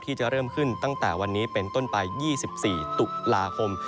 ที่จะเริ่มขึ้นตั้งแต่วันนี้เป็นต้นไป๒๔ตุลาคม